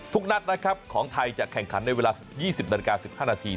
นัดนะครับของไทยจะแข่งขันในเวลา๒๐นาฬิกา๑๕นาที